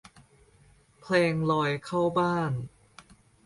เพลงลอยเข้าบ้าน